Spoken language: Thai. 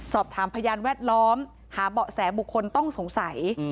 พยานแวดล้อมหาเบาะแสบุคคลต้องสงสัย